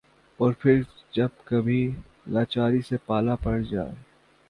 اور پھر جب کبھی لاچاری سے پالا پڑ جائے ۔